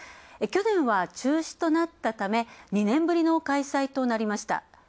去年は中止となったため２年ぶりの開催となりました。